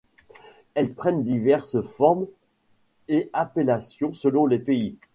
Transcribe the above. Elles prennent diverses formes et appellations selon les pays.